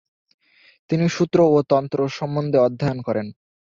তিনি সূত্র ও তন্ত্র সম্বন্ধে অধ্যয়ন করেন।